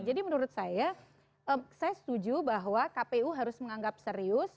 jadi menurut saya saya setuju bahwa kpu harus menganggap serius